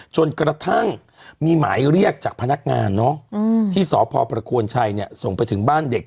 จนกระทั่งมีหมายเรียกจากพนักงานที่สพประโคนชัยส่งไปถึงบ้านเด็ก